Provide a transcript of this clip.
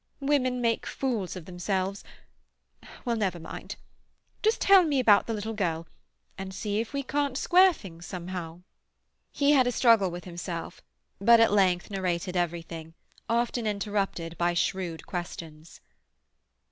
Women make fools of themselves—well, never mind. Just tell me about the little girl, and see if we can't square things somehow." He had a struggle with himself, but at length narrated everything, often interrupted by shrewd questions.